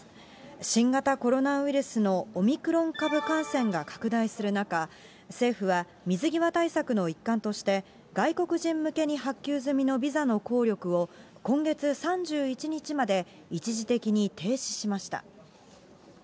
新型コロナウイルスのオミクロン株感染が拡大する中、政府は水際対策の一環として、外国人向けに発給済みのビザの効力を、今月３１日まで、一時的に停止しました。